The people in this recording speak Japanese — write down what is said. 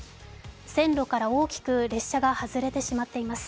線路から大きく列車が外れてしまっています。